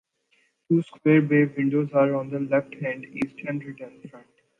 Two square bay windows are on the left hand (eastern) return front.